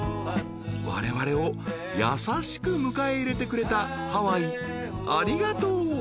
［われわれを優しく迎え入れてくれたハワイありがとう］